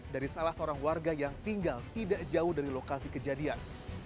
dari salah seorang warga yang tinggal tidak jauh dari lokasi kejadian